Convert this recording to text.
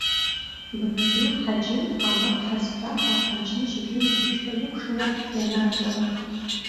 Бабаду, Ҳаџьы, алакә ҳазҳәа ҳәа, аҽны шьыбжьон ахәыҷқәа икәшаны ианаатәалак…